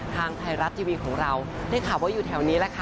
ทางไทยรัฐทีวีของเราได้ข่าวว่าอยู่แถวนี้แหละค่ะ